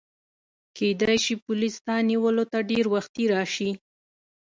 کیدای شي پولیس ستا نیولو ته ډېر وختي راشي.